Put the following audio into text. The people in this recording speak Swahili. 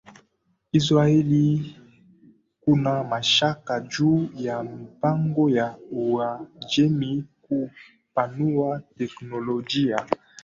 Israeli kuna mashaka juu ya mipango ya Uajemi kupanua teknolojia